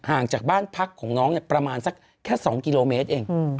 ห่างจากบ้านพักของน้องเนี่ยประมาณสักแค่สองกิโลเมตรเองอืม